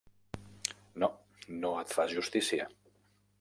No, no et fas justícia.